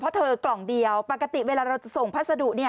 เพราะเธอกล่องเดียวปกติเวลาเราจะส่งพัสดุ